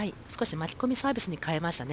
巻き込みサービスに変えましたね。